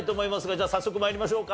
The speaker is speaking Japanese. じゃあ早速参りましょうか。